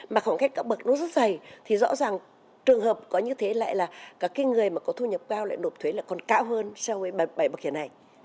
mà khoảng cách các bậc nó rất dày thì rõ ràng trường hợp có như thế lại là các cái người mà có thu nhập cao lại nộp thuế là còn cao hơn so với bảy bậc tiền này